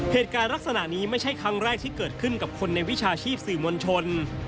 เหตุการณ์ลักษณะนี้ไม่ใช่ครั้งแรกที่เกิดขึ้นกับคนในวิชาชีพสื่อมวลชน